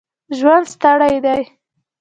ژوند ستړی دی